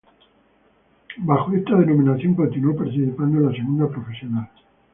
Bajo esta denominación continuó participando en la segunda profesional.